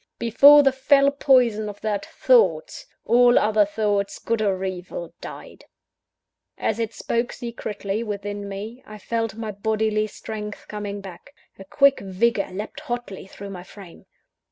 Before the fell poison of that Thought, all other thoughts good or evil died. As it spoke secretly within me, I felt my bodily strength coming back; a quick vigour leapt hotly through my frame.